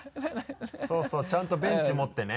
そうそうちゃんとベンチ持ってね。